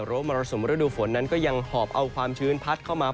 เพราะว่ามรสุมฤดูฝนนั้นก็ยังหอบเอาความชื้นพัดเข้ามา